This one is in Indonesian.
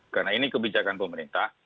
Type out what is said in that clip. karena ini kebijakan pemerintah